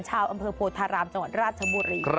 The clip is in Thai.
ชาวอำเภอโพธารามจังหวัดราชบุรี